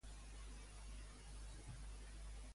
L'aspiradora, podries arrancar-me-la a la sala d'estar?